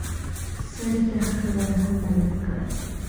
سارې ته ښه خبره هم بده ښکاري.